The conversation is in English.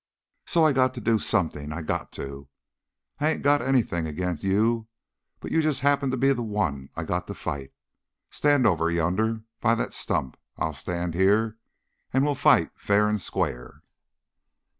So I got to do something. I got to! I ain't got anything agin' you, but you just happen to be the one that I got to fight. Stand over yonder by that stump. I'll stand here, and we'll fight fair and square."